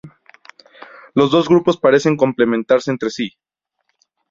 Los dos grupos parecen complementarse entre sí.